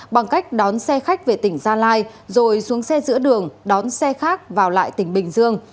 bằng cách đón xe khách về tỉnh gia lai rồi xuống xe giữa đường đón xe khác vào lại tỉnh bình dương